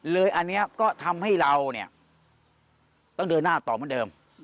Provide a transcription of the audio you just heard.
อันนี้ก็ทำให้เราเนี่ยต้องเดินหน้าต่อเหมือนเดิม